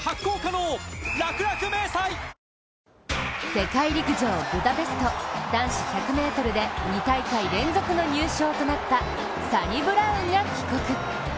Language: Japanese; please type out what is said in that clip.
世界陸上ブダペスト男子１００ｍで２大会連続の入賞となったサニブラウンが帰国。